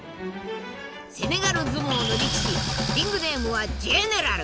セネガル相撲の力士リングネームはジェネラル。